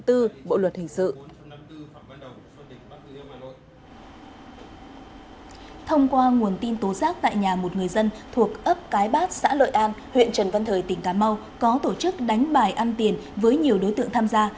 thông qua nguồn tin tố giác tại nhà một người dân thuộc ấp cái bát xã lợi an huyện trần văn thời tỉnh cà mau có tổ chức đánh bài ăn tiền với nhiều đối tượng tham gia